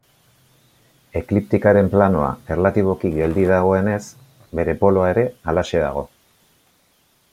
Ekliptikaren planoa, erlatiboki geldi dagoenez, bere poloa ere halaxe dago.